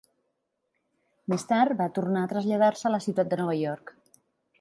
Més tard va tornar a traslladar-se a la ciutat de Nova York.